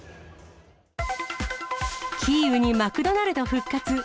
キーウにマクドナルド復活。